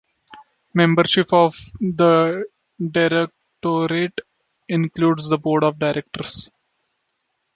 Membership of the Directorate includes the Board of Directors.